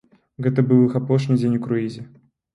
Гэта быў іх апошні дзень у круізе.